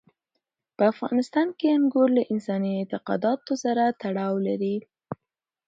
په افغانستان کې انګور له انساني اعتقاداتو سره تړاو لري.